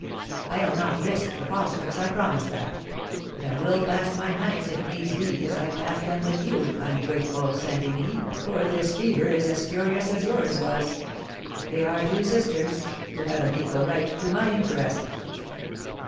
I'll not risk the phosphorus, I promise that; but I will pass my nights, if needs be, as I passed them with you, ungrateful Saint Remy, for this fever is as curious as yours was; they are two sisters, who have an equal right to my interest."